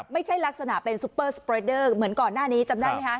ไม่ใช่ลักษณะเป็นซุปเปอร์สเปรดเดอร์เหมือนก่อนหน้านี้จำได้ไหมคะ